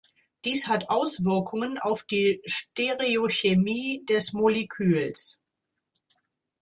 Dies hat Auswirkungen auf die Stereochemie des Moleküls.